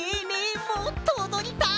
もっとおどりたい！